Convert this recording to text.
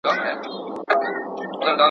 خو د عقل څښتن کړی یې انسان دی..